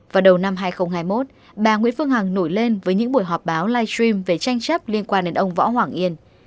vào đầu năm hai nghìn hai mươi một bà nguyễn phương hằng nổi lên với những buổi họp báo live stream về tranh chấp liên quan đến ông võ hoàng yên